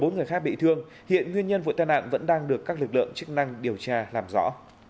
bốn người khác bị thương hiện nguyên nhân vụ tai nạn vẫn đang được các lực lượng chức năng điều tra làm rõ